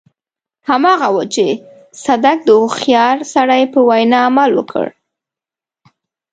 هماغه و چې صدک د هوښيار سړي په وينا عمل وکړ.